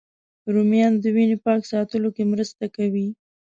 رومیان د وینې پاک ساتلو کې مرسته کوي